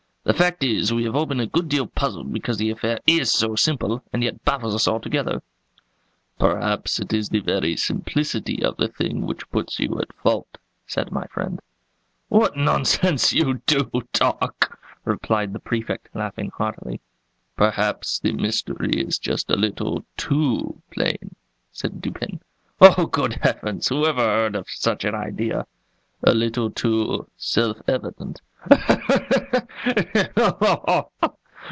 The fact is, we have all been a good deal puzzled because the affair is so simple, and yet baffles us altogether." "Perhaps it is the very simplicity of the thing which puts you at fault," said my friend. "What nonsense you do talk!" replied the Prefect, laughing heartily. "Perhaps the mystery is a little too plain," said Dupin. "Oh, good heavens! who ever heard of such an idea?" "A little too self evident."